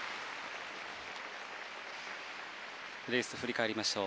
レース振り返りましょう。